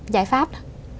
giải pháp đó